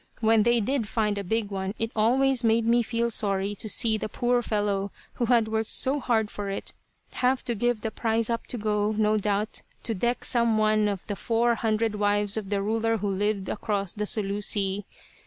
When they did find a big one it always made me feel sorry to see the poor fellow, who had worked so hard for it, have to give the prize up to go, no doubt, to deck some one of the four hundred wives of the ruler who lived across the Sulu Sea.